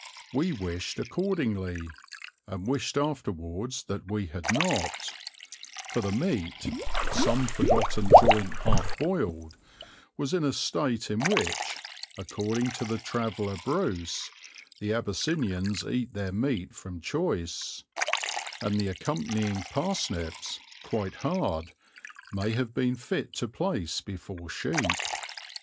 We wished accordingly, and wished afterwards that we had not, for the meat, some forgotten joint half boiled, was in a state in which, according to the traveller Bruce, the Abyssinians eat their meat from choice; and the accompanying parsnips, quite hard, may have been fit to place before sheep.